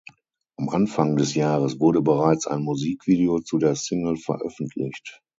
Am Anfang des Jahres wurde bereits ein Musikvideo zu der Single veröffentlicht.